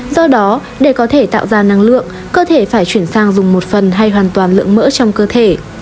do đó để có thể tạo ra năng lượng cơ thể phải chuyển sang dùng một phần hay hoàn toàn lượng mỡ trong cơ thể